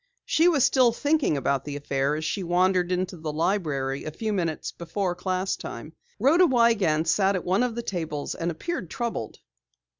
She was still thinking about the affair as she wandered into the library a few minutes before class time. Rhoda Wiegand sat at one of the tables and appeared troubled.